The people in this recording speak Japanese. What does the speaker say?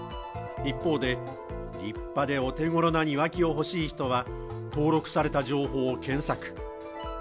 一方で立派でお手頃な庭木を欲しい人は登録された情報を検索。